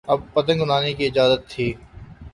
اب پتنگ اڑانے کی اجازت تھی۔